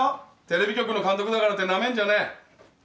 テレビ局の監督だからってなめんじゃねえ。